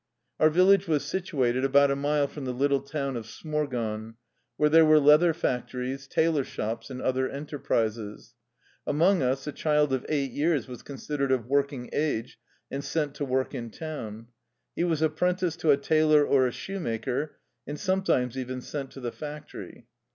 Our village was situated about a mile from the little town of Smorgon, where there were leather fac tories, tailor shops, and other enterprises. Among us a child of eight years was considered of working age and sent to work in town. He was apprenticed to a tailor or a shoemaker, and sometimes even sent to the factory.